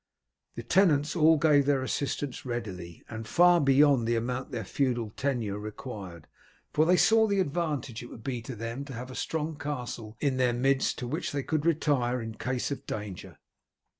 The tenants all gave their assistance readily, and far beyond the amount their feudal tenure required, for they saw the advantage it would be to them to have a strong castle in their midst to which they could retire in case of danger.